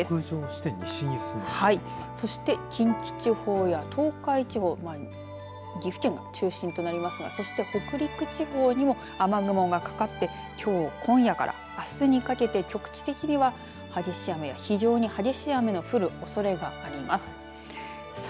はい、そして近畿地方や東海地方岐阜県が中心となりますがそして北陸地方にも雨雲がかかってきょう今夜からあすにかけて局地的に激しい雨や非常に激しい雨の降るおそれがあります。